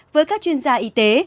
với các chuyên gia y tế